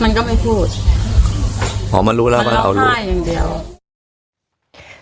มันก็ไม่พูดอ๋อมันรู้แล้วว่าเขารู้ใช่อย่างเดียว